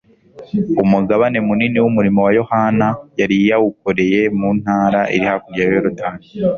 Umugabane munini w'umurimo wa Yohana yari yawukoreye mu ntara iri hakurya ya Yorodani